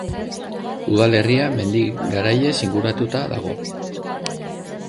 Udalerria mendi garaiez inguratuta dago.